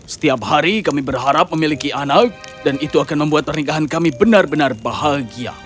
setiap hari kami berharap memiliki anak dan itu akan membuat pernikahan kami benar benar bahagia